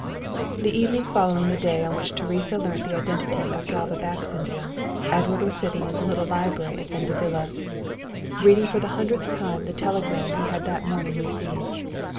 The evening following the day on which Teresa learnt the identity of Galva Baxendale, Edward was sitting in the little library at Venta Villa, reading for the hundredth time a telegram which he had that morning received.